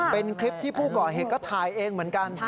เป็นคลิปที่ผู้ก่อเหตุก็ถ่ายเองเหมือนกัน